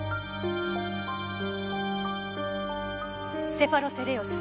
セファロセレウス。